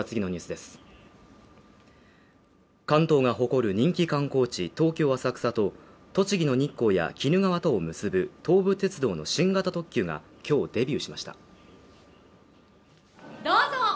関東が誇る人気観光地、東京浅草と栃木の日光や鬼怒川とを結ぶ東武鉄道の新型特急が今日デビューしました。